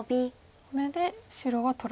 これで白は取られたと。